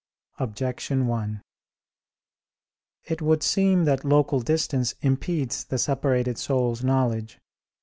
Objection 1: It would seem that local distance impedes the separated soul's knowledge.